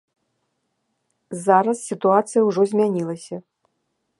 Зараз сітуацыя ўжо змянілася.